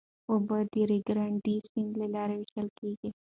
اوبه د ریو ګرانډې سیند له لارې وېشل کېږي.